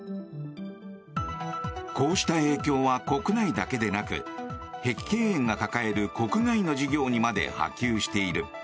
こうした影響は国内だけでなく碧桂園が抱える国外の事業にまで波及している。